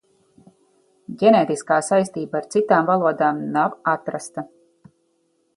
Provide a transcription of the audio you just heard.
Ģenētiskā saistība ar citām valodām nav atrasta.